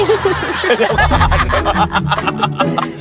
ตดลงถ้าบ้าน